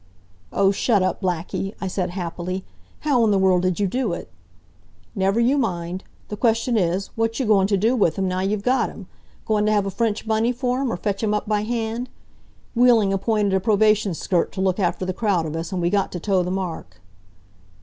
"Oh, shut up, Blackie," I said, happily. "How in the world did you do it?" "Never you mind. The question is, what you goin' t' do with him, now you've got him? Goin' t' have a French bunny for him, or fetch him up by hand? Wheeling appointed a probation skirt to look after the crowd of us, and we got t' toe the mark."